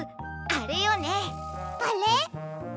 あれ？